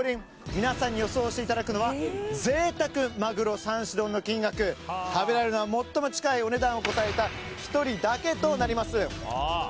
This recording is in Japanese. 皆さんに予想していただくのは贅沢マグロ３種丼の金額食べられるのは最も近いお値段を答えた１人だけとなります。